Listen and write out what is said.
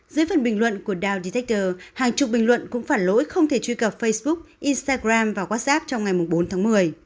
dưới phần bình luận của dow detector hàng chục bình luận cũng phản lỗi không thể truy cập facebook instagram và whatsapp trong ngày bốn tháng một mươi